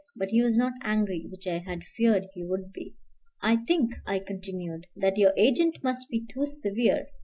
But he was not angry, which I had feared he would be. "I think," I continued, "that your agent must be too severe.